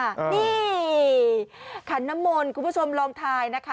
นี่ขันน้ำมนต์คุณผู้ชมลองทายนะคะ